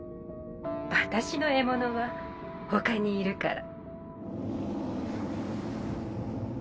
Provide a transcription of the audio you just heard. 私の獲物は他にいるから。